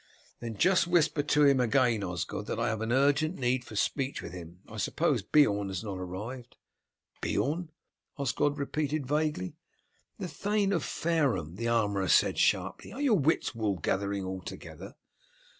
"Then just whisper to him again, Osgod, that I have urgent need for speech with him. I suppose Beorn has not arrived?" "Beorn!" Osgod repeated vaguely. "The Thane of Fareham," the armourer said sharply. "Are your wits wool gathering altogether?"